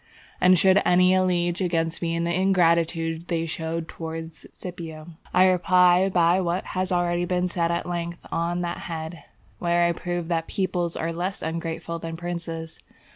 And should any allege against me the ingratitude they showed to Scipio, I reply by what has already been said at length on that head, where I proved that peoples are less ungrateful than princes.